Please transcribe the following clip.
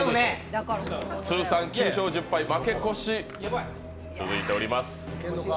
通算９勝１０敗、負け越し、続いております。